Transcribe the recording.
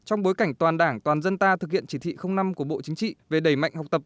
trong bối cảnh toàn đảng toàn dân ta thực hiện chỉ thị năm của bộ chính trị về đẩy mạnh học tập